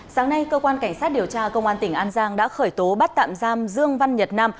sáng nay cơ quan cảnh sát điều tra công an tỉnh an giang đã khởi tố bắt tạm giam dương văn nhật nam